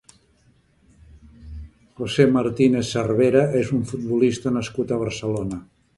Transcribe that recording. José Martínez Cervera és un futbolista nascut a Barcelona.